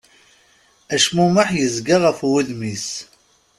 Acmumeḥ yezga ɣef wudem-is.